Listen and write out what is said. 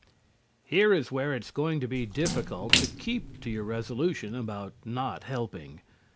Here is where it is going to be difficult to keep to your resolution about not helping.